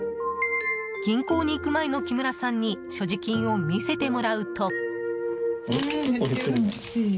銀行に行く前の木村さんに所持金を見せてもらうと。